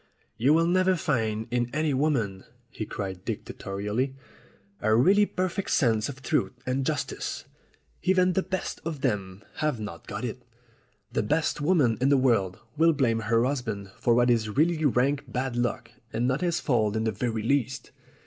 "You will never find in any woman," he cried dictatorhlly, "a really perfect sense of truth and jus tice. Even the best of them have not got it. The best woman in the world will blame her husband for what is really rank bad luck and not his fault in the very least.